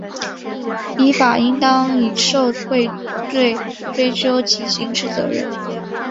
依法应当以受贿罪追究其刑事责任